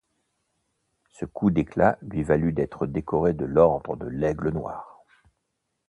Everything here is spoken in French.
Ce coup d'éclat lui valut d'être décoré de l'Ordre de l'Aigle noir.